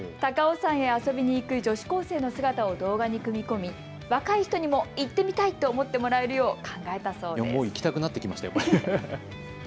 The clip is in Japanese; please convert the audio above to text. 高尾山へ遊びに行く女子高生の姿を動画に組み込み若い人にも行ってみたいと思ってもらえるよう考えたそうです。